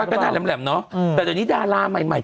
น้องยอร์ดเป็นหน้าแหลมเนาะแต่ตอนนี้ดาราใหม่